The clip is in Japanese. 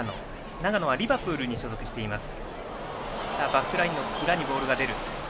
長野はリバプールに所属しています。